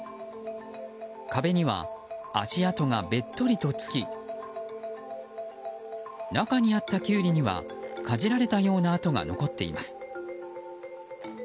壁には足跡がべっとりとつき中にあったキュウリにはかじられたような跡が残っています。